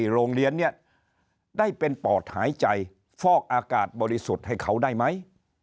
โรงเรียนนี้ได้เป็นปอดหายใจฟอกอากาศบริสุทธิ์ให้เขาได้ไหม